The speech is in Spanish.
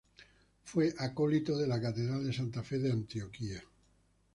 Fue acólito de la Catedral de Santa Fe de Antioquia.